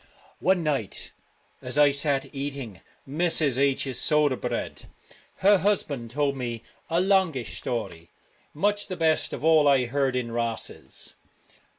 One night as I sat eating Mrs. H 's soda bread, her husband told me a longish story, much the best of all I heard in Rosses.